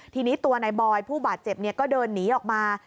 ทีนี้ตัวนายบอยผู้บาดเจ็บก็เดินหนีออกมา